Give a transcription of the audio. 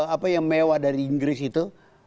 apa yang mewah dari inggris itu